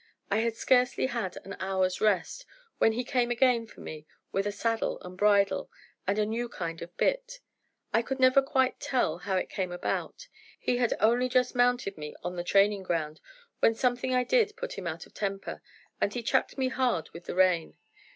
I had scarcely had an hour's rest, when he came again for me with a saddle and bridle and a new kind of bit. I could never quite tell how it came about; he had only just mounted me on the training ground, when something I did put him out of temper, and he chucked me hard with the rein.